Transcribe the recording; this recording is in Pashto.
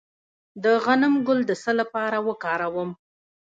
د غنم ګل د څه لپاره وکاروم؟